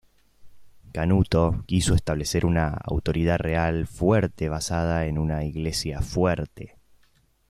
Canuto quiso establecer una autoridad real fuerte basada en una iglesia fuerte.